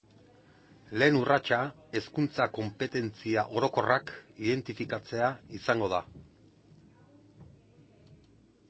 Lehen urratsa Hezkuntza konpetentzia orokorrak identifikatzea izango da.